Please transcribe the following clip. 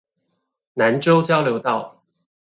南州交流道